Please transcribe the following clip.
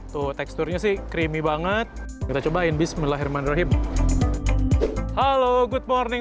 tuh teksturnya sih creamy banget kita cobain bismillahirrahmanirrahim halo good morning